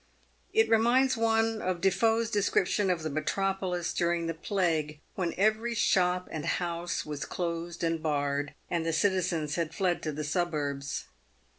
It reminds one of Defoe's description of the metropolis daring the plague, when every shop and house was closed and barred, and the citizens had fled to the suburbs.